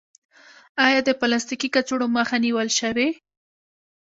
آیا د پلاستیکي کڅوړو مخه نیول شوې؟